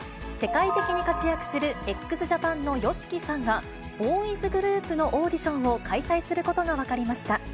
世界的に活躍するＸＪＡＰＡＮのＹＯＳＨＩＫＩさんが、ボーイズグループのオーディションを開催することが分かりました。